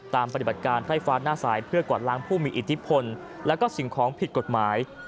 ปฏิบัติการไฟฟ้าหน้าสายเพื่อกวาดล้างผู้มีอิทธิพลและก็สิ่งของผิดกฎหมาย